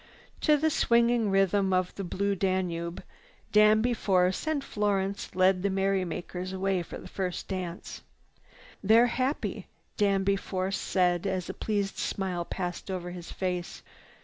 To the swinging rhythm of "The Beautiful Blue Danube," Danby Force and Florence led the merrymakers away for the first dance. "They're happy," Danby Force said as a pleased smile passed over his face.